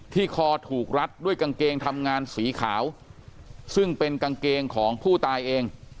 คอถูกรัดด้วยกางเกงทำงานสีขาวซึ่งเป็นกางเกงของผู้ตายเอง